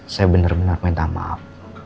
saya bener bener minta maaf